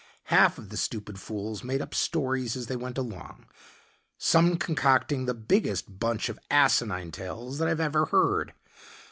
Half of the stupid fools made up stories as they went along some concocting the biggest bunch of asinine tales that I've ever heard.